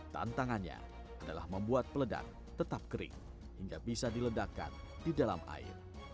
tantangannya adalah membuat peledak tetap kering hingga bisa diledakkan di dalam air